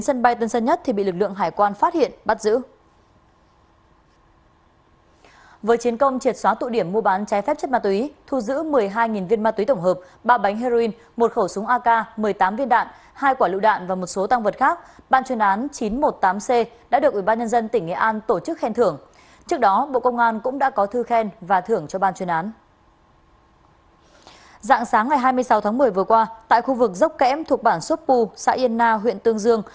dạng sáng ngày hai mươi sáu tháng một mươi vừa qua tại khu vực dốc kém thuộc bản sopu xã yên na huyện tương dương